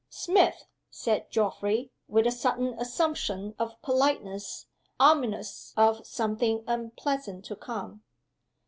"Smith!" said Geoffrey, with a sudden assumption of politeness ominous of something unpleasant to come.